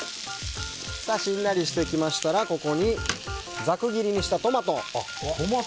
しんなりしてきましたらここにざく切りにしたトマト。